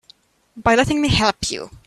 By letting me help you.